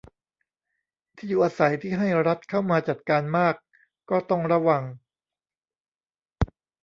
ที่อยู่อาศัยที่ให้รัฐเข้ามาจัดการมาก ก็ต้องระวัง